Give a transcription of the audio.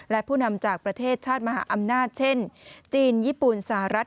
และผู้นำจากประเทศชาติมหาอำนาจเช่นจีนญี่ปุ่นสหรัฐ